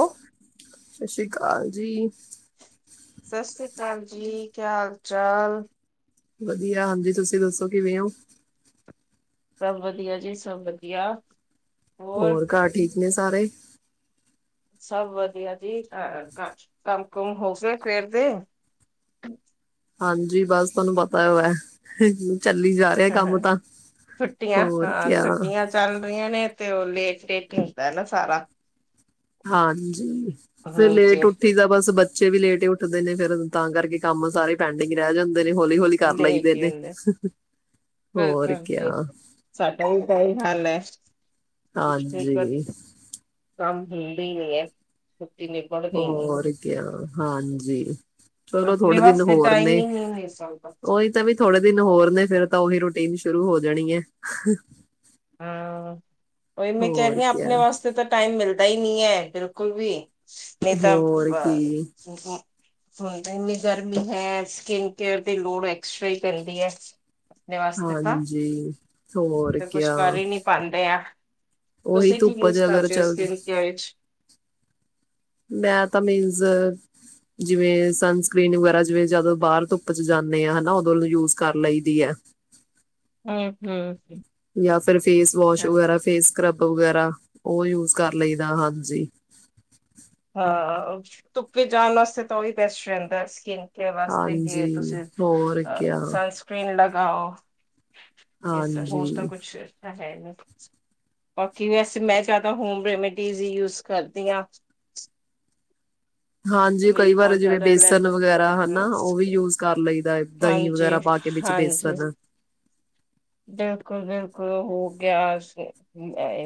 ਓ ਸਛੀ ਕਾਲ ਜੀ। ਸਤਿ ਸ਼੍ਰੀ ਅਕਾਲ ਜੀ ਕੀ ਹਾਲ ਚਾਲ ਵਧੀਆ ਹਾਂਜੀ ਸਤਿ ਸ਼੍ਰੀ ਅਕਾਲ ਕਿਵੇਂ ਹੋ? ਸਭ ਵਧੀਆ ਜੀ ਸਭ ਵਧੀਆ। ਹੋਰ ਘਰ ਠੀਕ ਨੇ ਸਾਰੇ। ਸਭ ਵਧੀਆ ਜੀ ਕੰਮ ਕੁਮ ਹੋ ਗ ਫੇਰ ਦੇ। ਹਾਂਜੀ ਬਸ ਤੁਹਾਨੂੰ ਪਤਾ ਹੈ ਚੱਲੀ ਜਾ ਰਿਹਾ ਕੰਮ ਹ ਤਾਂ ਛੱਟੀਆਂ ਹੋਰ ਹਾਂ ਕਿਆ ਛੁ ਟੀਆਂ। ਚੱਲ ਰਹੀਆਂ ਨੇ ਤੇ ਉਹ ਲੇਟ ਡੇਟ ਹੀ ਹੁੰਦਾ ਨਾ ਸਾਰਾ ਹਾਂਜੀ ਫਿਰ ਲੇਟ ਹਾਂਜੀ ਉੱਠ ਉਠੀ ਦਾ ਬਸ ਬੱਚੇ ਵੀ ਲੇਟ ਹੀ ਉੱਠਦੇ ਨੇ ਫੇਿਰ ਤਾਂ ਕਰਕੇ ਕੰਮ ਸਾਰੇ ਪੈਂਡਿੰਗ ਰਹਿ ਜਾਂਦੇ ਨੇ ਹੌਲੀ ਹੌਲੀ ਕਰ ਲਈਦੇ ਲੇਟ ਹੀ ਨੇ ਹੁੰਦਾ ਹੋਰ ਬਿਲਕੁਲ ਕ ਜੀ ਸਾਡਾ ਹੀ ਤਾਂ ਹੀ ਹਲ ਹੈ ਹਾਂਜੀ ਠਕ ਕੰਮ ਹੁੰਦੀ ਨੀ ਹੈ। ਸਤੀ ਨੇ। ਹੋਰ ਕ ਹਾਂਜੀ। ਚਲੋ ਆਪਣੇ ਥੋੜੇ ਦਿਨ ਵਾਸਤੇ ਹੋਰ ਟਾਈਮ ਨੇ ਹੀ ਨਹੀਂ ਮਿਲ ਸਕਦਾ ਉਹੀ। ਤਾਂ ਵੀ ਥੋੜੇ ਦਿਨ ਹੋਰ ਨੇ ਫੇਿਰ ਤਾਂ ਉਹੀ ਰੂਟੀਨ ਸ਼ੁਰੂ ਹੋ ਜਾਣੀ ਹੈ। ਹਾਂ ਉ ਮੈਂ ਕਹਿ ਹੋਰ ਰ ਹ ਕਿਆ ਆਪਣੇ ਵਾਸਤੇ ਤਾਂ ਟਾਈਮ ਮਿਲਦਾ ਹੀ ਨਹੀਂ ਹੈ ਬਿਲਕੁਲ ਵੀ ਨ ਹੀਂ ਤਾਂ ਹੋਰ ਕੀ ਅ। ਵੱਡੇ ਇਨੀ ਗਰਮੀ ਹੈ ਤੇ ਸਕਿਨ ਕੇਅਰ ਤੇ ਲੂ ਐਕਸਟਰਾ ਹੀ ਪੈਦੀ ਹੈ। ਆਪਣੇ ਵਾਸਤੇ ਤਾਂ ਹਾਂਜੀ ਹੋਰ ਤੇ ਕੁਛ ਕਿਆ ਕਰ ਹੀ ਨਹੀਂ ਪਾਉਂਦੇ ਆ ਉਹੀ ਤੁਸੀਂ ਕੀ ਧੁੱਪ ਯੂਜ ਚ ਅਗਰ ਕਰਦੇ ਹੋ ਚੱਲ ਸਕਿਨ ਕੇਅਰ ਵਿੱਚ ਮੈਂ ਤਾਂ ਮੇਨਜ਼। ਜਿਵੇਂ ਸਨਸਕ੍ਰਰੀਨ ਵਗੈਰਾ ਜਿਵੇਂ ਜਦੋਂ ਬਾਹਰ ਧੁੱਪ ਚ ਜਾਂਦੇ ਆ ਹਨਾ ਉਦੋਂ ਨ ਯੂਜ ਕਰ ਲਈਦੀ ਹੈ। ਹਮ ਹਮ ਯਾ ਫਿਰ ਫੇਸ ਵਾਸ਼ ਵਗੈਰਾ ਹਾਂਜੀ ਫੇਸ ਸਕਰਬ ਵਗੈਰਾ ਉਹ ਯੂਜ ਕਰ ਲਈਦਾ ਹਾਂ ਜੀ। ਧੁੱਪੇ ਜਾਣ ਵਾਸਤੇ ਤਾਂ ਉਹੀ ਬੈਸਟ ਰਹਿੰਦਾ ਸਕਿਨ ਵਾਸਤੇ ਕਿ ਹਾਂਜੀ ਤੁਸੀਂ ਹੋਰ ਕਿਆ ਸਨਸ੍ਰਰੀਨ ਲਗਾਓ। ਇਸ ਹੋਰ ਤਾਂ ਹਾਂਜੀ ਕੁਛ ਬਾਕੀ ਵੈਸੇ ਮੈਂ ਚਾਹਦਾ ਹੋਮ ਰੈਮਡੀਜ਼ ਹੀ ਯੂਜ ਕਰਦੀ ਹਾਂ। ਕਿਉਂਕਿ ਹਾਂਜੀ ਕਈ ਮੇਰੀ ਵਾਰ ਬਹੁਤ ਜਿਵੇਂ ਜ਼ਿਆਦਾ ਐਲਰ ਬੇਸਨ ਵਗੈਰਾ ਹਨਾ ਅ ਉਹ ਵੀ ਯੂਜ ਕਰ ਲਈਦਾ ਹੈ। ਦਹੀਂ ਵਗੈਰਾ ਹਾਂਜੀ ਪਾ ਕੇ ਵਿੱਚ ਹਾਂਜੀ ਬੇਸਣ ਬਿਲਕੁਲ ਬਿਲਕੁਲ ਹੋ ਗਿਆਸ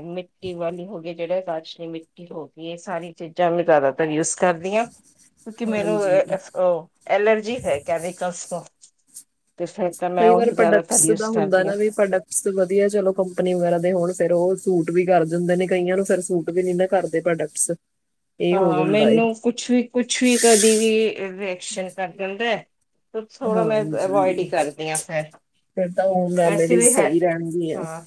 ਮਿੱਟੀ ਵਾਲੀ ਹੋ ਗਈ ਜਿਹੜਾ ਰਾਸ਼ਲੀ ਮਿੱਟੀ ਹੋ ਇਹ ਸਾਰੀ ਚੀਜ਼ਾਂ ਮੈਂ ਜ਼ਿਆਦਾਤਰ ਯੂਜ ਕਰਦੀ ਹਾਂ ਕਿਉਂਕਿ ਮੈਨੂੰ ਹਾਂਜੀ ਐਲਰਜੀ ਹੈ ਕੈਮੀਕਲਸ ਤੋਂ ਤੇ ਫਿਰ ਤਾਂ ਮੈਂ ਕਈ ਵਾਰ ਉਹੀ ਜਿਆਦਾਤਰ ਪ੍ਰੋਡਕਟਸ ਦਾ ਯੂਸ ਕਰ ਹੁੰਦਾ ਨਾ ਵੀ ਪ੍ਰੋਡਕਟਸ ਵਧੀਆ ਚਲੋ ਕੰਪਨੀ ਵਗੈਰਾ ਦੇ ਹੁਣ ਫੇਰ ਉਹ ਸੂਟ ਵੀ ਕਰ ਦਿੰਦੇ ਨੇ ਕਈਆਂ ਨੂੰ ਫਿਰ ਸੂਟ ਵੀ ਨਹੀਂ ਨਾ ਦਾ ਕਰਦੇ ਪ੍ਰੋਡਕਟਸ। ਇਹ ਹੋ ਹਾਂ ਜਾਂਦਾ ਏ ਮੈਨੂੰ ਕੁਛ ਵੀ ਕੁਛ ਵੀ ਕਦੀ ਵੀ ਰੀਐਕਸ਼ਨ ਕਰ ਦਿੰਦਾ। ਕੁਛ ਥੋੜ੍ਹਾ ਮੈਂ ਹਾਂਜੀ ਅਵੋਇਡ ਹੀ ਕਰਦੀ ਹਾਂ ਫੈਰ ਫਿਰ ਤਾਂ ਹੋਮ ਰੈਮਡੀ ਸਹੀ ਰਹਿਣਗ ਆ ਹਾਂ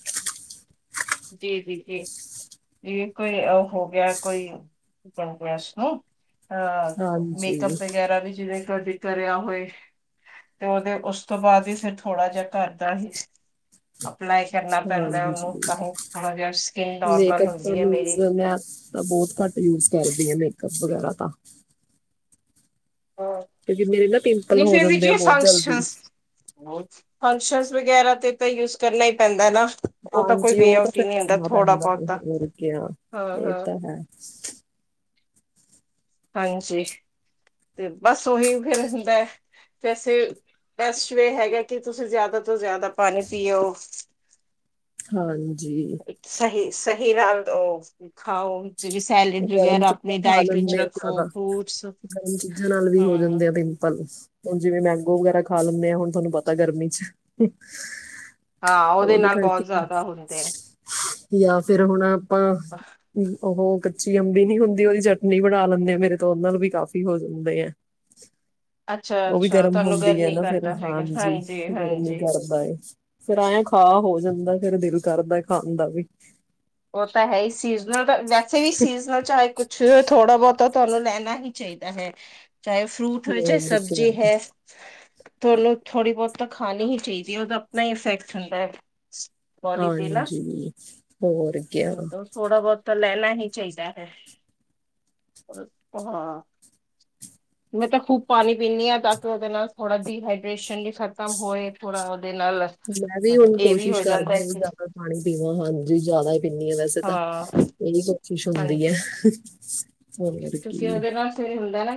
ਜੀ ਜੀ ਜੀ ਜ ਕੋਈ ਹੋ ਗਿਆ ਕੋਈ ਣ ਉਸ ਨੂੰ ਅਹ ਮੇਕਅਪ ਹਾਂਜੀ ਵਗੈਰਾ ਵੀ ਜਿਵੇਂ ਤੁਹਾਡੀ ਕਰਿਆ ਹੋਏ ਤੇ ਉਹਦੇ ਉਸ ਤੋਂ ਬਾਅਦ ਹੀ ਫਿਰ ਥੋੜਾ ਜਿਹਾ ਕਰਦਾ ਸੀ। ਅਪਲਾਈ ਕਰਨਾ ਪੈਂਦਾ ਉਹਨੂੰ ਹਾਂਜੀ ਤਾਂ ਹੀ ਜਿ ਸਕਿੰਨ ਨੋਰਮਲ ਮੇਕਅਪ ਤਾਂ ਹੁੰਦੀ ਹੈ ਮੀਨਜ਼ ਮੇਰੀ। ਮੈਂ ਤਾਂ ਬਹੁਤ ਘੱਟ ਯੂਜ ਕਰਦੀ ਆ ਮੇਕਅੱਪ ਵਗੈਰਾ ਤਾਂ ਕਿਉਂਕਿ ਮੇਰੇ ਨਾ ਪਿੰਪਲ ਨ ਹੋ ਫ ਜਾਂਦੇ ਜ ਆ ਬਹੁਤ ਫੰਕਸ਼ਨ ਜਲਦੀ ਫੰਕਸ਼ਨ ਵਗੈਰਾ ਤੇ ਤਾਂ ਯੂਜ ਕਰਨਾ ਹੀ ਪੈਂਦਾ ਨਾ। ਉਹ ਤਾਂ ਕੋਈ ਹਾਂਜੀ ਵੇ ਉਹ ਤਾਂ ਆਊਟ ਹੀ ਫਿਰ ਨਹੀਂ ਹੁੰਦਾ ਕਰਨਾ ਥੋੜਾ ਪੈਂਦਾ ਨਹੀਂ ਬਹੁਤਾ ਮਰ ਗਿਆ ਹਾਂ ਇਹ ਹਾਂ ਤਾਂ ਹੈ। ਹਾਂਜੀ ਤੇ ਬਸ ਉਹੀ ਫੇਰ ਹੁੰਦਾ। ਵੈਸੇ ਬੈਸ ਵੇ ਹੈਗਾ ਕਿ ਤੁਸੀਂ ਜ਼ਿਆਦਾ ਤੋਂ ਜ਼ਿਆਦਾ ਪਾਣੀ ਪੀਓ। ਹਾਂਜੀ। ਹਾਂਜੀ। ਸਹੀ ਸਹੀ ਨਾਲ ਉਹ ਖਾਓ ਜਿੜੀ ਸੈਲਡ ਵਗੈਰਾ ਆਪਣੀ ਡਾਇਟ ਵਿੱਚ। ਦੇ ਰੱਖੋ ਜ਼ਿਆਦਾ ਫਰੂਟਸ ਗਰਮ ਚੀਜ਼ਾਂ ਨਾਲ ਵੀ ਹੋ ਹਮ ਜਾਂਦੇ ਆ ਪਿੰਪਲ। ਹੁਣ ਜਿਵੇਂ ਮੈਂਗੋ ਵਗੈਰਾ ਖਾ ਲੈਂਦੇ ਆਾਂ ਹੁਣ ਤੁਹਾਨੂੰ ਪਤਾ ਗਰਮੀ ਚ। ਹਾਂ ਉਹਦੇ ਨਾਲ ਕਰਕੇ ਬਹੁਤ ਜ਼ਿਆਦਾ ਹੁੰਦੇ ਆ ਜਾਂ ਫਿਰ ਹੁਣ। ਆ। ਉਹ ਕੱਚੀ ਅੰਬੀ ਨੀ ਹੁੰਦੀ ਉਹਦੀ ਚਟਨੀ ਬਣਾ ਲੈਂਦੇ ਆ ਮੇਰੇ ਤੋਂ ਉਹ ਨਾਲ ਵੀ ਕਾਫ਼ੀ ਹੋ ਜਾਂਦੇ ਆ। ਅੱਛਾ ਉਹ ਵੀ ਅੱਛਾ ਗਰਮ ਤੁਹਾਨੂੰ ਹੁੰਦੀ ਹੈ ਗਰਮੀ ਨਾ ਫੇਰ ਕਰਦਾ ਹੈਗਾ ਹਾਂਜੀ ਗਰਮੀ ਹਾਂਜੀ ਕਰਦਾ। ਫੇਰ ਆਆ ਖਾ ਹੋ ਜਾਂਦਾ ਫੇਿਰ ਦਿਲ ਕਰਦਾ ਖਾਣ ਦਾ ਵੀ। ਹੋ ਤਾਂ ਹੈ ਸੀਜ਼ਨਲ ਵੈਸੇ ਵੀ ਸੀਜ਼ਨਲ ਚਾਹੇ ਕੁਛ ਥੋੜਾ ਬਹੁਤ ਤਾਂ ਤੁਹਾਨੂੰ ਲੈਣਾ ਹੀ ਚਾਹੀਦਾ ਹੈ ਚਾਹੇ ਫਰੂਟ ਹੋ ਚਾਹੇ ਹੋਰ ਕਿਆ ਸਬਜ਼ੀ ਹੈ। ਤੁ ਉਹਨੂੰ ਥੋੜ੍ਹੀ ਬਹੁਤ ਤਾਂ ਖਾਣੀ ਹੀ ਚਾਹੀਦੀ ਹੈ ਉਹਦਾ ਆਪਣਾ ਹੀ ਇਫੈਕਟ ਹੁੰਦਾ ਹੈ। ਬੋਡੀ ਤੇ ਨਾ ਹਾਂਜੀ ਹੋਰ। ਕਿਆ ਥੋੜਾ ਬਹੁਤ ਤਾਂ ਲੈਣਾ ਹੀ ਚਾਹੀਦਾ ਹੈ। ਹਾਂ। ਮੈਂ ਤਾਂ ਖੂਬ ਪਾਣੀ ਪੀਂਦੀ ਹਾਂ ਤਾਂ ਕਿ ਉਹਦੇ ਨਾਲ ਥੋੜਾ ਡੀਹਾਈਡ੍ਰੇਸ਼ਨ ਲਈ ਖਤਮ ਹੋਏ ਥੋੜਾ ਉਹਦੇ ਨਾਲ ਮੈਂ ਵੀ ਹੁਣ ਇਹ ਵੀ ਹੋ ਕੋਸ਼ਿਸ਼ ਕਰਦੀ ਜਾਂਦਾ ਹਾਂ ਵੀ ਕਿ ਜ਼ਿਆਦਾ ਪਾਣੀ ਪੀਵਾਂ ਹਾਂਜੀ ਜ਼ਿਆਦਾ ਪੀਨੀ ਹ ਵੈਸੇ ਤਾਂ ਹਾਂ ਇਹੀ ਕੋਸ਼ਿਸ਼ ਹੁੰਦੀ ਹੈ। ਹਾਂਜੀ। ਹੋਰ ਤੁਸੀਂ ਕੀ ਉਹਦੇ ਨਾਲ ਇਹ ਹੁੰਦਾ ਨਾ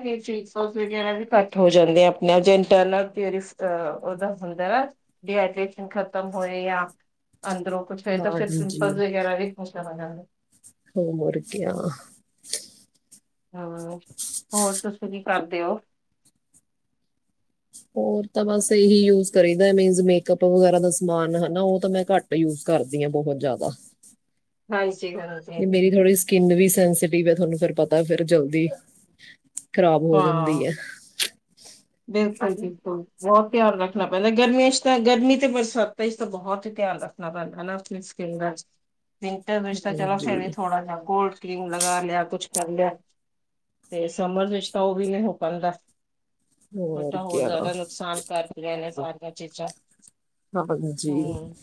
ਘੱਟ ਹੋ ਜਾਂਦੇ ਆਪਣੇ ਇੰਟਰਨਲ। ਅ ਉਹਦਾ ਹੁੰਦਾ ਵ ਡੀਹਾਈਡ੍ਰੇਸ਼ਨ ਖਤਮ ਹੋਏ ਜਾਂ ਅੰਦਰੋਂ। ਕੁਛ ਹੈ ਤਾਂ ਫਿਰ ਮਿਪਲ ਹਾਂਜੀ ਵਗੈਰਾ ਵੀ ਚਲਾ ਜਾਂਦਾ। ਹੋ ਮੁਰਗਿਆ। ਹਾਂ ਹੋਰ ਤੁਸੀਂ ਕੀ ਕਰਦੇ ਹੋ? ਹੋਰ ਤਾਂ ਬਸ ਇਹੀ ਯੂਜ ਕਰੀਦਾ ਮਿੰਸ ਮੇਕਅਪ ਵਗੈਰਾ ਦਾ ਸਮਾਨ ਹਨਾ ਉਹ ਤਾਂ ਮੈਂ ਘੱਟ ਯੂਜ ਕਰਦੀ ਹਾਂ ਬਹੁਤ ਜ਼ਿਆਦਾ। ਹਾਂਜੀ ਹਾਂ। ਮੇਰੀ ਥੋੜ੍ਹੀ ਸਕਿੰਨ ਵੀ ਸੈਂਸਟਿਵ ਹੈ ਤੁਹਾਨੂੰ ਫ ਪਤਾ ਫਿਰ ਜਲਦੀ ਖ਼ਰਾਬ ਹੋ ਹਾਂ। ਜਾਂਦੀ ਹੈ ਬਿਲਕੁਲ ਬਿਲਕੁਲ ਬਹੁਤ ਧਿਆਨ ਰੱਖਣਾ ਪੈਂਦਾ ਗਰਮੀਆਂ ਚ ਤਾਂ ਗਰਮੀ ਤੇ ਬਰਸਾਤਾਂ ਚ ਤਾਂ ਬਹੁਤ ਹੀ ਧਿਆਨ ਰੱਖ ਨਾ ਆਪ ਸਕੀਨ ਵਿੰਟਰ ਵਿੱਚ ਤਾਂ ਚਲੋ ਫਿਰ ਵੀ ਹਾਂਜੀ ਥੋੜਾ ਜਿਹਾ ਗੋਲਡ ਕਰੀਮ ਲਗਾ ਲਿਆ ਕੁਛ ਕਰ ਲਿਆ ਤੇ ਸਮਰ ਵਿੱਚ ਤਾਂ ਉਹ ਵੀ ਨਹੀਂ ਹੋ ਪਾਦਾ ਉਹ ਤਾ ਹੋਰ ਜ਼ਿਆਦਾ ਨੁਕਸਾਨ ਕਰ ਬਾਰ ਬਾਰ ਚੀਜਾਂ ਹਾਂਜੀ ਹੁ।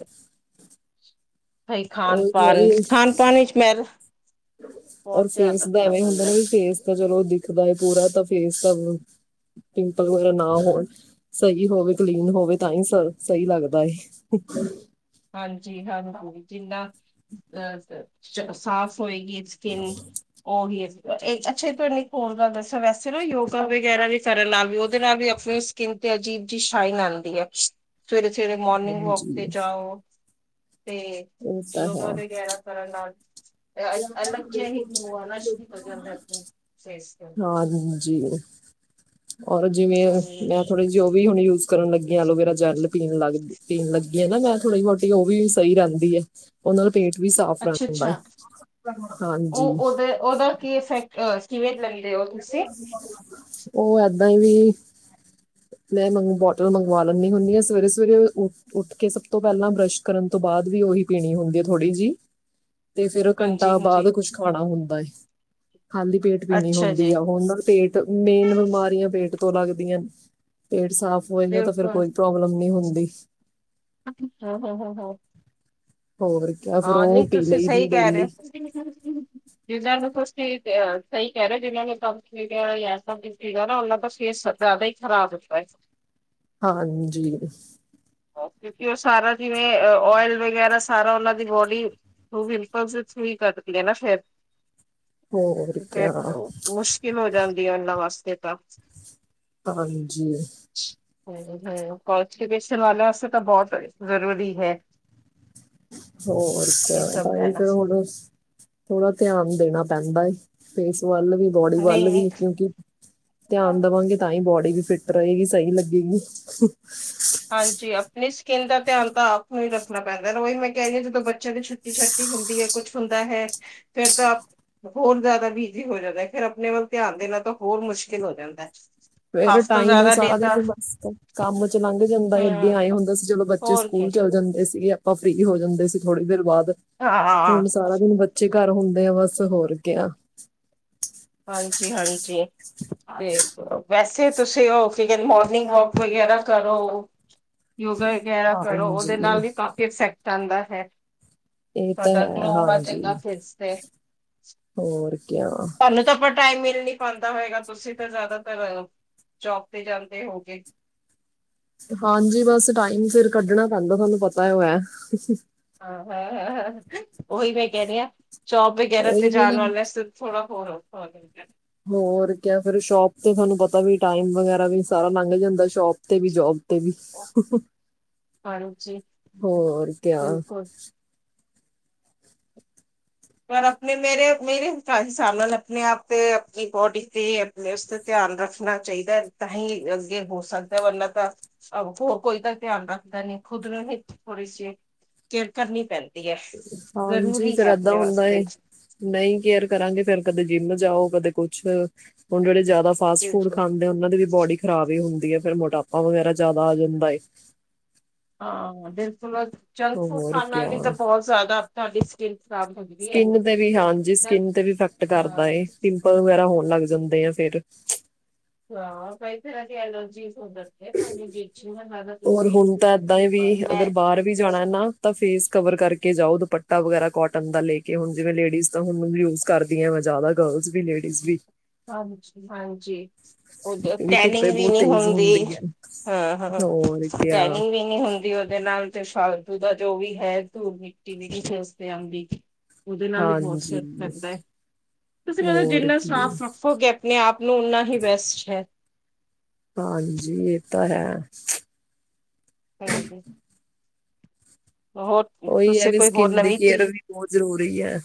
ਭ ਖਾਣ ਉਹੀ ਹੈ ਪਾਨ ਵੀ ਖਾਣ ਪਾਨ ਵਿੱਚ ਮੈਂ ਔਰ ਬਹੁਤ ਧਿਆਨ ਫੇਸ ਦਾ ਰੱਖਣਾ ਐਵੇਂ ਹੁੰਦਾ ਨਾ ਪੈਂਦਾ। ਵੀ ਫੇਸ ਦਾ ਚਲੋ ਦਿਖਦਾ ਹੈ ਪੂਰਾ ਤਾਂ ਫੇਸ ਦਾ ਪਿੰਪਲ ਵਗੈਰਾ ਨਾ ਹੋਣ। ਸਹੀ ਹੋਵੇ ਕਲੀਨ ਹੋਵੇ ਤਾਂ ਹੀ ਸ ਸਹੀ ਲੱਗਦਾ ਏ। ਹਾਂਜੀ ਹਾਂ ਹਾਂਜੀ ਜਿੰਨਾ ਅਹ ਸਾਫ਼ ਹੋਏਗੀ ਸਕਿਨ। ਉਓਹੀ ਅੱਛਾ ਤੁਹਾਡੇ ਇੱਕ ਹੋਰ ਗੱਲ ਦੱਸਿਆ ਵੈਸੇ ਨਾ ਯੋਗਾ ਵਗੈਰਾ ਵੀ ਕਰਨ ਨਾਲ ਵੀ ਉਹਦੇ ਨਾਲ ਵੀ ਅ ਕਿ ਤੇ ਅਜੀਬ ਜਿ ਸ਼ਾਈਨ ਆਉਂਦੀ ਹੈ ਸਵੇਰੇ ਸਵੇਰੇ ਮੋਰਨਿੰਗ ਵਾਕ ਹਾਂਜੀ ਤੇ ਜਾਓ। ਤੇ ਉਹ ਤਾਂ ਯੋਗਾ ਹੈ ਵਗੈਰਾ ਕਰਨ ਨਾਲ। ਅਲਗ ਜ ਹੀ ਗਿਲੋਅ ਸ਼ੁਰੂ ਹੋ ਜਾਂਦਾ ਫੇਸ ਤੈ। ਹਾਂਜੀ ਔਰ ਜਿਵੇਂ ਮੈਂ ਹਾਂਜੀ। ਥੋੜੀ ਜਿ ਉਹ ਵੀ ਹੁਣ ਯੂਜ। ਕਰਨ ਲੱਗ ਐਲੋਵੇਰਾ ਜੈਲ ਪੀਣ ਲੱਗ ਗਿ ਪੀਣ ਲੱਗੀ ਆ ਨਾ ਮੈਂ ਥੋੜ੍ਹੀ ਮੋਟੀ ਹੋਗੀ, ਵੀ ਸਹੀ ਰਹਿੰਦੀ ਹੈ ਉਹਨਾਂ ਪੇਟ ਵੀ ਸਾਫ਼ ਅੱਛਾ ਰਹਿੰਦਾ ਹੈ, ਅੱਛਾ ਹਾਂਜੀ। ਉਹ ਉਹਦੇ ਉਹਦਾ ਕੀ ਇਫ ਕਿਵੇਂ ਲੈਂਦੇ ਹੋ ਤੁਸੀਂ? [unintelligible] ਓ ਏਦਾਂ ਹੀ ਨੀ। ਮੈਂ ਮੰਗਵਾ ਬੋਟਲ ਮੰਗਵਾ ਲੈਨੀ ਹੁੰਨੀ ਆ ਸਵੇਰੇ-ਸਵੇਰੇ ਓ ਉੱਠ ਕੇ, ਸਭ ਤੋਂ ਪਹਿਲਾਂ ਬਰੱਸ਼ ਕਰਨ ਤੋਂ ਬਾਅਦ ਵੀ ਉਹੀ ਪੀਣੀ ਹੁੰਦੀ ਹੈ ਥੋੜੀ ਜਿਹੀ। ਤੇ ਫੇਰ ਹਾਂਜੀ ਘੰਟਾ ਬਾਅਦ ਹਾਂਜੀ ਕੁਛ ਖਾਣਾ ਹੁੰਦਾ, ਖਾਲੀ ਪੇਟ ਵੀ ਨੀ ਅੱਛਾ ਹੁੰਦਾ। ਜੀ ਹੁਨਂ ਨਾ ਪੇਟ ਮੇਨ ਬਿਮਾਰੀਆਂ ਪੇਟ ਤੋਂ ਲੱਗਦੀਆਂ ਪੇਟ ਸਾਫ਼ ਹੋਏਗਾ ਤਾਂ ਫਿਰ ਬਿਲਕੁਲ ਕੋਈ ਪ੍ਰੋਬਲਮ ਨਹੀਂ ਹੁੰਦੀ। ਹੂੰ-ਹੂੰ-ਹੂੰ। ਹੋ ਹਾ, ਨੀ ਤੁਸੀਂ ਸਹੀ ਕਹਿ ਰਹੇ। ਜਿਨਾਂ ਨੂੰ ਤੁਸੀ ਸਹੀ ਕਹਿ ਰਹੇ ਹੋ ਜਿਹਨਾਂ ਨੂੰ ਕਬਜ ਸੀਗਾ ਗੈਸ ਸੀਗਾ ਨਾ ਉਨਾ ਤਾਂ ਫੇਸ ਜ਼ਿਆਦਾ ਹੀ ਖਰਾਬ ਹੁੰਦਾ ਹੈ। ਹਾਂਜੀ। ਕਿਉਂਕਿ ਉਹ ਸਾਰਾ ਜਿਵੇਂ ਓਇਲ ਵਗੈਰਾ ਸਾਰਾ ਉਹਨਾਂ ਦੀ ਬੋਡੀ ਉਹ ਪਿਮਪਲ ਹੀ ਕੱਢ ਦੀ ਹੈਨਾ ਫਿਰ ਹੋਰ ਕਿਆ ਕਿਵੇ ਹੋ ਜਾਂਦੀ ਆ ਉਹਨਾਂ ਵਾਸਤੇ ਤਾਂ। ਹਾਂਜੀ। ਹਯੇ-ਹਯੇ, ਕੋਨਸਟੀਪੇਸ਼ਨ ਵਾਲਿਆਂ ਵਾਸਤੇ ਤਾਂ ਬਹੁਤ ਜ਼ਰੂਰੀ ਹੈ। ਹੋਰ ਇਹ ਕਿਆ ਸਭ ਤਾਂਹੀ ਲੈਣਾ ਜਰੂਰੀ ਹੁਣ ਬਸ ਥੋੜ੍ਹਾ ਧਿਆਨ ਦੇਣਾ ਪੈਂਦਾ ਹੈ ਫੇਸ ਵੱਲ ਵੀ, ਬੋਡੀ ਵੱਲ ਨਹੀਂ ਵੀ ਨਹੀਂ ਕਿਉਂਕਿ ਧਿਆਨ ਦੇਵਾਂਗੇ ਤਾਂ ਹੀ ਬੋਡੀ ਵੀ ਫਿਟ ਰਹੇਗੀ, ਸਹੀ ਲੱਗੇਗੀ। ਹਾਂਜੀ, ਆਪਣੀ ਸਕਿੰਨ ਦਾ ਧਿਆਨ ਤਾਂ ਆਪ ਨੂੰ ਹੀ ਰੱਖਣਾ ਪੈਂਦਾ ਉਹੀ ਮੈਂ ਕਹਿ ਰਹੀ ਹਾਂ ਜਦੋਂ ਬੱਚਿਆਂ ਦੀ ਛੁੱਟੀ ਛੁਟੀ-ਛਟੀ ਹੁੰਦੀ ਹੈ, ਕੁੱਛ ਹੁੰਦਾ ਹੈ ਫੇਰ ਤਾਂ ਹੋਰ ਜ਼ਿਆਦਾ ਬਿਜੀ ਹੋ ਜਾਂਦਾ ਫਿਰ ਆਪਣੇ ਵੱਲ ਧਿਆਨ ਦੇਣਾ ਤਾਂ ਹੋਰ ਮੁਸ਼ਕਿਲ ਹੋ ਜਾਂਦਾ। ਫੇਰ ਹਾਫ ਤੋਂ ਟਾਈਮ ਜ਼ਿਆਦਾ ਡੇ ਸਾਰਾ ਦਿਨ ਤਾਂ ਮਸ ਕੰਮ ਚ ਲੰਘ ਜਾਂਦਾ, ਅੱਗੇ ਹੂੰ ਆਏ ਹੁੰਦਾ ਸੀ ਚਲੋ ਬੱਚੇ ਹੋਰ ਸਕੂਲ ਕੀ ਚਲੇ ਜਾਂਦੇ ਸੀਗੇ। ਆਪਾਂ ਫ੍ਰੀ ਹੋ ਜਾਂਦੇ ਸੀ ਥੋੜੀ ਦੇਰ ਬਾਅਦ ਹੁਣ ਹਾਂ ਸਾਰਾ ਦਿਨ ਬ ਚੇ ਘਰ ਹੁੰਦੇ ਆ ਬਸ ਹੋਰ ਕਿਆ। ਹਾਂਜੀ- ਹਾਂਜੀ। ਤੇ ਵੈਸੇ ਤੁਸੀਂ ਹੋ ਕੀ ਕਹਿੰਦੇ ਮੋਰਨਿੰਗ ਵਾਕ ਵਗੈਰਾ ਕਰੋ। ਯੋਗਾ ਵਗੈਰਾ ਕਰੋ ਉਹਦੇ ਨਾਲ ਹਾਂਜੀ ਵੀ ਕਾਫੀ ਇਫੈਕਟ ਆਉਂਦਾ ਹੈ। ਇਹ ਤਾਂ ਤੁਹਾਡਾ ਹੈ ਗਲੋ ਹਾਂਜੀ ਆਜਾਏਗਾ ਫੇਸ ਤੇ। ਹੋਰ ਕਿਆ? ਤੁਹਾਨੂੰ ਤਾਂ ਆਪਾਂ ਟਾਈਮ ਮਿਲ ਨੀ ਪਾਉਂਦਾ ਹੋਏਗਾ, ਤੁਸੀਂ ਤਾਂ ਜ਼ਿਆਦਾਤਰ ਜੋਬ ਤੇ ਜਾਂਦੇ ਹੋਉਗੇ। ਹਾਂਜੀ, ਬਸ ਟਾਈਮ ਫਿਰ ਕੱਢਣਾ ਪੈਂਦਾ ਤੁਹਾਨੂੰ ਪਤਾ ਹੋ ਹੈ। ਹਾਂ ਹੇ ਹੇ ਉਹੀ ਮੈਂ ਕਹਿ ਰਹੀ ਹਾਂ ਜੋਬ ਵਗੈਰਾ ਉਹੀ ਤੇ ਜਾਣ ਵੀ ਵਾਲਾ ਥੋੜਾ ਹੋਰ ਔਖਾ ਹੋ ਜਾਂਦਾ ਹੇ। ਹੋਰ ਕਿਆ, ਫਿਰ ਸ਼ੋਪ ਤੇ ਤੁਹਾਨੂੰ ਪਤਾ ਵੀ ਟਾਈਮ ਵਗੈਰਾ ਵੀ ਸਾਰਾ ਲੰਘ ਜਾਂਦਾ ਸ਼ੋਪ ਤੇ ਵੀ ਜੋਬ ਤੇ ਵੀ। ਹ [unintelligible] ਹਾਂਜੀ। ਹੋਰ ਕਿਆ। ਬਿਲਕੁਲ ਪਰ ਆਪਣੇ ਮੇਰੇ-ਮੇਰੇ ਹਿਸਾਬ ਨਾਲ ਆਪਣੇ ਆਪ ਤੇ, ਆਪਣੀ ਬੋਡੀ ਤੇ ਉਸ ਤੇ ਧਿਆਨ ਰੱਖਣਾ ਚਾਹੀਦਾ ਤਾਂ ਹੀ ਅੱਗੇ ਹੋ ਸਕਦਾ ਵਰਨਾਂ ਤਾਂ ਕੋਈ-ਕੋਈ ਤਾਂ ਧਿਆਨ ਰੱਖਦਾ ਨਹੀਂ ਖੁਦ ਨੂੰ ਹੀ ਥੋੜ੍ਹੀ ਚਿਰ ਕੇਅਰ ਕਰਨੀ ਪੈਂਦੀ ਹੈ। ਜ਼ਰੂਰੀ ਹੈ। ਦਾ ਆਪਣੇ ਹੁੰਦਾ ਵਾਸਤੇ ਹੈ। ਨਹੀਂ ਕੇਅਰ ਕਰਾਂਗੇ ਫੇਰ ਕਦੇ ਜਿੰਮ ਜਾਓ, ਕਦੇ ਕੁਛ ਹੋਲੇ-ਹੋਲੇ ਜ਼ਿਆਦਾ ਫਾਸਟ- ਫੂਡ ਬਿਲਕੁਲ ਖਾਂਦੇ ਉਹਨਾਂ ਦੀ ਵੀ ਬੋਡੀ ਖਰਾਬ ਹੀ ਹੁੰਦੀ ਹੈ ਫਿਰ ਮੋਟਾਪਾ ਵਗੈਰਾ ਜਿਆਦਾ ਆ ਜਾਂਦਾ ਹੈ। ਆਂ, ਬਿਲਕੁਲ'ਚ ਜੰਕ- ਫੂਡ ਹੋਰ ਖਾਣਾ ਕਿਆ ਵੀ ਤਾਂ ਬਹੁਤ ਜ਼ਿਆਦਾ, ਤੁਹਾਡੀ ਸ੍ਕਿੰਨ ਖਰਾਬ ਹੰਦੀ ਹੈ। ਇਫ਼ੈਕਟ ਹਾਂ ਕਰਦਾ ਏ, ਪਿੰਪਲ ਵਗੈਰਾ ਹੋਣ ਲੱਗ ਜਾਂਦੇ ਆ ਫਿਰ। ਹਾਂ, ਕਈ ਤਰ੍ਹਾਂ ਦੀ ਐਲਰਜੀ ਹੋ ਜਾਂ [unintelligible] ਜੀ ਛੀ ਮੈਂ ਲੱਗਦਾ ਔਰ ਤੁਸੀਂ ਹੁਣ ਤਾਂ ਏਦਾਂ ਹੀ ਤਾਂ ਵੀ ਮੈਂ ਅਗਰ ਬਾਹਰ ਵੀ ਜਾਣਾ ਨਾ, ਤਾਂ ਫੇਸ ਕਵਰ ਕਰਕੇ ਜਾਓ, ਦੁਪੱਟਾ ਵਗੈਰਾ ਕੌਟਨ ਦਾ ਲੇਕੇ, ਹੁਣ ਜਿਵੇਂ ਲੇਡੀਜ਼ ਤਾਂ ਹੁਣ ਯੂਜ ਕਰਦੀਆਂ ਵਾ, ਜ਼ਿਆਦਾ ਗਰਲਜ਼ ਵੀ ਲੇਡੀਜ਼ ਵੀ। ਹਾਂਜੀ-ਹਾਂਜੀ, ਉਦੋਂ ਕਿਉਂਕਿ ਟੈਨਿੰਗ ਧੁੱਪੇ ਵੀ ਬਹੁਤ ਨੀ ਤੇਜ਼ ਹੁੰਦੀ। ਹੈ ਹਾਂ-ਹਾਂ, ਹੋਰ ਕਿਆ ਟੈਨੀਂਗ ਵੀ ਹੁੰਦੀ ਉਹਦੇ ਨਾਲ, ਤੇ ਫਾਲਦੂ ਦਾ ਜੋ ਵੀ ਹੈ, ਧੂਲ-ਮਿੱਟੀ ਵੀ ਉਸਤੇ ਆਂਦੀ। ਉਹਦੇ, ਨਾਲ ਵੀ ਬਹੁਤ ਸ ਹਾਂਜੀ, ਪੈਂਦਾ ਹੈ, ਤੁਸੀਂ ਕਹਿੰਦੇ ਹੋਰ ਜਿੰਨੇ ਕੀ ਸਾਫ਼ ਰ, ਖੋਗੇ, ਆਪਣੇ-ਆਪ ਨੂੰ ਓਨਾ ਹੀ ਬੈਸਟ ਹੈ। ਹਾਂਜੀ, ਇਹ ਤਾ ਹੈ। ਹਾਂਜੀ, ਬਹੁਤ, ਉਹੀ, ਆ ਵੀ ਸਕਿੰਨ ਦੀ ਕੇਅਰ ਵੀ ਬਹੁਤ ਜ਼ਰੂਰੀ ਐ।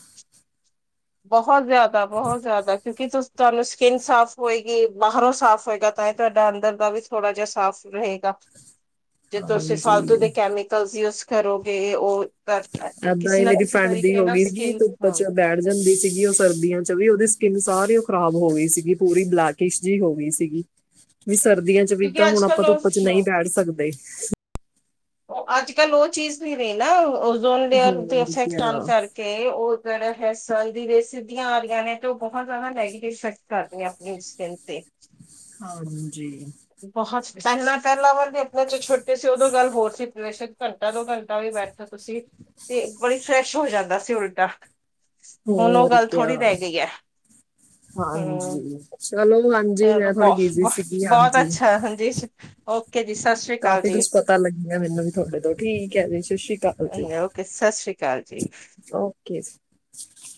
ਬਹੁਤ ਜਿਆਦਾ, ਬਹੁਤ ਜਿਆਦਾ, ਕਿਉਂਕਿ ਤੁ ਤੁਹਾਨੂੰ ਸਕਿੰਨ ਸਾਫ਼ ਹੋਏਗੀ, ਬਾਹਰੋਂ ਸਾਫ਼ ਹੋਏਗਾ, ਤਾਂ ਹੀ ਤੁਹਾਡਾ ਅੰਦਰ ਦਾ ਵੀ ਥੋੜਾ ਜਿਹਾ ਸਾਫ਼ ਰਹੇਗਾ। ਜੇ ਤੁਸੀਂ ਫਾਲਤੂ ਦੇ ਹਾਂਜੀ, ਕੈਮੀਕਲਸ ਯੂਜ ਕਰੋਗੇ, ਉਹ ਗਲਤ ਹੈ, ਏਦਾਂ ਕਿਸੀ ਹੀ ਨਾ ਮੇਰੀ ਕਿਸੀ ਫਰੈਂਡ ਦੀ ਤਰੀਕੇ ਹੋ ਨਾਲ, ਗਈ ਸੀਗੀ ਸਕੀਨ ਧੁੱਪ ਹਾਂ। ਚ ਬੈਠ ਜਾਂਦੀ ਸੀਗੀ ਉਹ ਸਰਦੀਆਂ'ਚ ਵੀ ਉਹਦੀ ਸਕਿੰਨ ਸਾਰੀ ਓ ਖਰਾਬ ਹੋ ਗਈ ਸੀਗੀ, ਪੂਰੀ ਬਲੈਕ। ਕਿਸ਼ ਜੀ ਹੋ ਗਈ ਸੀਗੀ, ਵੀ ਸਰਦੀਆਂ'ਚ ਵੀ ਤਾਂ ਕਿਉਂਕਿ ਅੱਜ ਹੁਣ ਆਪਾਂ ਧੁੱਪ'ਚ ਨਹੀਂ ਬੈਠ ਸਕਦੇ। ਅੱਜ-ਕੱਲ ਉਹ ਚੀਜ਼ ਨਹੀਂ ਰਹੀ ਨਾ, ਓਜ਼ੋਨ ਲੇਅਰ ਦੇ ਹੋਰ ਇਫੈਕਟ ਕਿਆ ਆਨ ਕਰਕੇ। ਤੇ, ਉਹ ਜਿਹੜਾ ਹੈ ਸਨ ਦੀ ਰੇ ਸਿੱਧੀਆਂ ਆ ਰਹੀਆਂ ਨੇ, ਤੇ ਉਹ ਬਹੁਤ ਜਿਆਦਾ ਨੈਗੇਟਿਵ ਇਫ਼ੈਕ੍ਟ ਕਰਦੀਆਂ ਆਪਣੀ ਸ੍ਕਿੰਨ ਤੇ। ਹਾਂ ਜੀ। ਬਹੁਤ ਪਹਿਲਾਂ-ਪਹਿਲਾਂ ਵਰਗੇ ਦੇ ਆਪਣੇ'ਚ ਛੋਟੇ ਸੀ, ਉਦੋਂ ਗੱਲ ਹੋਰ ਸੀੇ, ਬੇਸ਼ੱਕ ਘੰਟਾ ਦੋ ਘੰਟਾ ਵੀ ਬੈਠ ਤੁਸੀਂ ਤੇ, ਬੜੀ ਫਰੈਸ਼ ਹੋ ਜਾਂਦਾ ਸੀ, ਉਲਟਾ। ਹੁਣ, ਉਹ ਹੋਰ ਗੱਲ ਕਿਆ ਥੋੜ੍ਹੀ ਰਹਿ ਗਈ ਹੈ। ਹਮ ਹਾਂਜੀ। ਚਲੋ, ਹਾਂਜੀ ਚਲੋ ''ਮੈਂ ਥੋੜੀ ਬਹੁ ਬਿਜੀ ਸੀਗੀ, ਬਹੁ- ਹਾਂ ਬਹੁਤ ਅੱਛਾ। ਹਾਂਜੀ, ਓਕੇ-ਜੀ ਸਸ਼ ਕਾਫ਼ੀ ਕੁਛ ਪਤਾ ਲੱਗਗਿਆ, ਮੈਨੂੰ ਵੀ ਥੋਡੇ ਤੋਂ, ਠੀਕ ਹੈ ਜੀ, ਸਤਿ ਸ਼੍ਰੀ ਕਾਲ ਜੀ, ਓਕੇ ਸਤਿ ਸ੍ਰੀ ਅਕਾਲ ਜੀ ਓਕੇ ਜੀ।